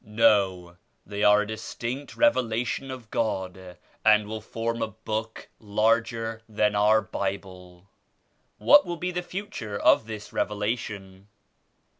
"No, they are a distinct Revelation of God and will form a Book larger than our Bible." "What will be the future of this Revelation?"